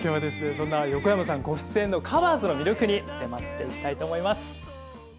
そんな横山さんご出演の「ｔｈｅＣｏｖｅｒｓ」の魅力に迫っていきたいと思います。